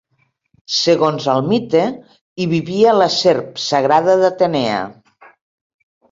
Segons el mite, hi vivia la serp sagrada d'Atenea.